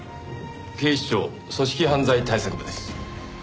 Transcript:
警視庁組織犯罪対策部です。